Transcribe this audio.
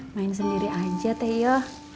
main sendiri aja teh ya